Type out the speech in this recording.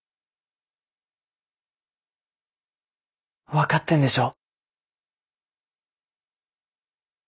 分かってんでしょ。